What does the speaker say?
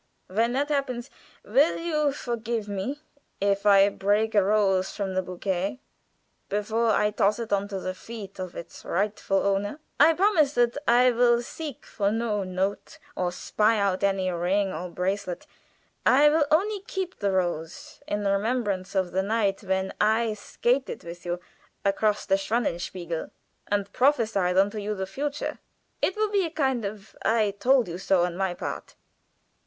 When that happens, will you forgive me if I break a rose from the bouquet before I toss it on to the feet of its rightful owner? I promise that I will seek for no note, nor spy out any ring or bracelet. I will only keep the rose in remembrance of the night when I skated with you across the Schwanenspiegel, and prophesied unto you the future. It will be a kind of 'I told you so,' on my part."